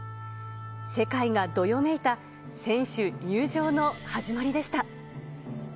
世界がどよめいた選手入場の始まりでした。